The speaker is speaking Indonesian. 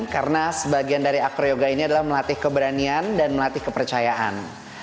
karena sebagian dari acroyoga ini adalah melatih keberanian dan melatih kepercayaan